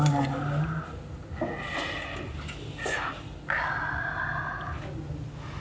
そっか。